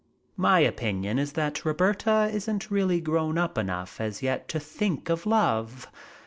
"My opinion is that Roberta isn't really grown up enough as yet to think of love.